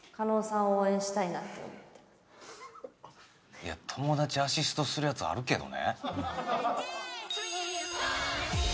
いや友達アシストするやつあるけどね。